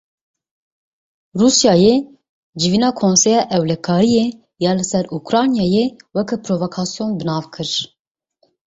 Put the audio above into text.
Rûsyayê civîna Konseya Ewlekariyê ya li ser Ukraynayê weke provokasyon bi nav kir.